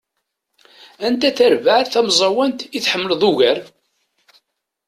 Anta tarbaεt tamẓawant i tḥemmleḍ ugar?